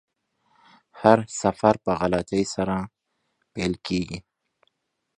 هر سفر په غلطۍ سره پیل کیږي.